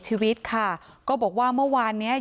มันมีแม่ด้วยมันมีแม่ด้วย